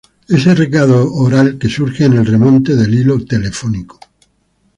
ese recado oral que surge en el remonte del hilo telefónico